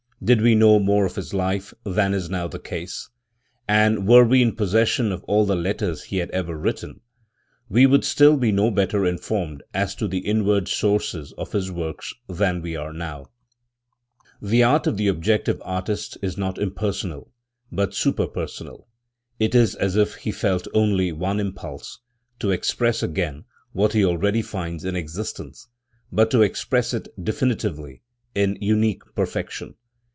Did we know more of his life than is now the case* and were we in possession of all the letters he had ever written, we should still be no better informed as to the inward sources of his works than we are now. The art of the objective artist is not impersonal, but superpersonal. It is as if he felt only one impulse, to express again what he already finds in existence, but to express it definitively, in unique perfection.